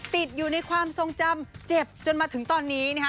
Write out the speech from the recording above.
ติดอยู่ในความทรงจำเจ็บจนมาถึงตอนนี้นะฮะ